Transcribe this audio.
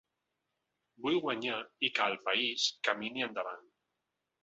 Vull guanyar i que el país camini endavant.